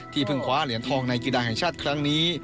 เพิ่งคว้าเหรียญทองในกีฬาแห่งชาติครั้งนี้